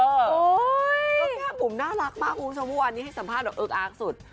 ก็แก้มบุ๋มน่ารักมากเพราะวันนี้ให้สัมภาษณ์เอิ๊กอักสุด